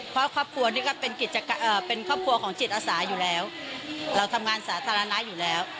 เพราะครอบครัวนี่ก็เป็นครอบครัวของจิตอาสาอยู่แล้วเราทำงานสาธารณะอยู่แล้ว